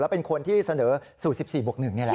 เป็นคนที่เสนอสูตร๑๔บวก๑นี่แหละ